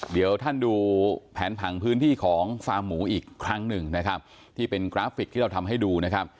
เดี๋ยวท่านดูแผนผังพื้นที่ของฟาร์มหมูอีกครั้งหนึ่งนะครับที่เป็นกราฟิกที่เราทำให้ดูนะครับ